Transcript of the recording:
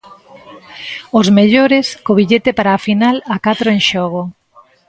Os mellores, co billete para a final a catro en xogo.